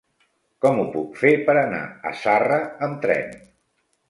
Com ho puc fer per anar a Zarra amb tren?